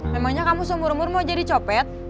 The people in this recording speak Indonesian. memangnya kamu seumur umur mau jadi copet